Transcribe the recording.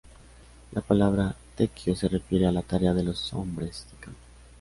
La palabra tequio se refiere a la tarea de los hombres de campo.